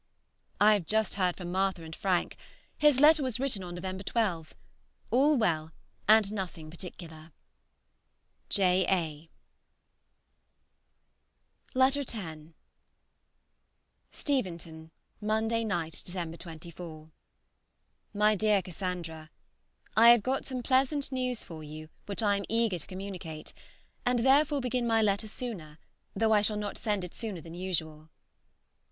... I have just heard from Martha and Frank: his letter was written on November 12. All well and nothing particular. J. A. Miss AUSTEN, Godmersham Park, Faversham. X. STEVENTON, Monday night (December 24). MY DEAR CASSANDRA, I have got some pleasant news for you which I am eager to communicate, and therefore begin my letter sooner, though I shall not send it sooner than usual.